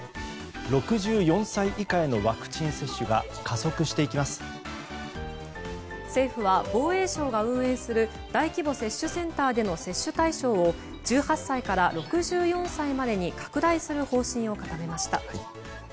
６４歳以下へのワクチン接種が政府は防衛省が運営する大規模接種センターでの接種対象を１８歳から６４歳までに拡大する方針を固めました。